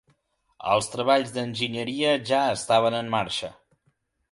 Els treballs d'enginyeria ja estaven en marxa.